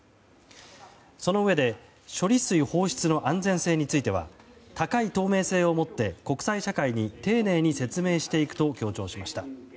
そのうえで、処理水放出の安全性については高い透明性を持って国際社会に丁寧に説明していくと強調しました。